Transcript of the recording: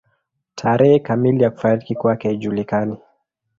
Tarehe kamili ya kufariki kwake haijulikani.